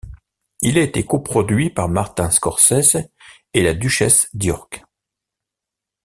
Il a été coproduit par Martin Scorsese et la duchesse d'York.